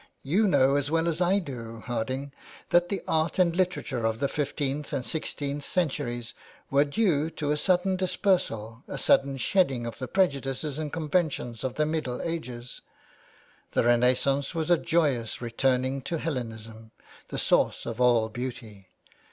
You know as well as I do, Harding, that the art and literature of the 15 th and i6th centuries were due to a sudden dispersal, a sudden shedding of the prejudices and conventions of the middle ages ; the renaissance was a joyous returning to Hellenism, the source of all beauty.